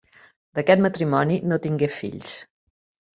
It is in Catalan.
D'aquest matrimoni no tingué fills.